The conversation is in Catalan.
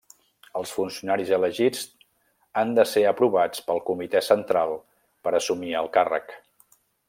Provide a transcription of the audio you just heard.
Els funcionaris elegits han de ser aprovats pel Comitè Central per assumir el càrrec.